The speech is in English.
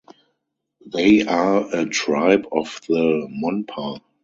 They are a tribe of the Monpa.